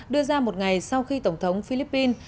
đưa ra một ngày sau khi tổng thống philippines